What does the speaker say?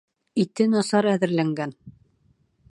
Ите насар әҙерләнгән